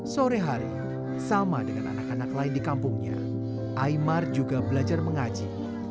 sore hari sama dengan anak anak lain di kampungnya imar juga belajar mengaji